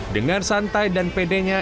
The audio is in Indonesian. dengan santai dan pedenya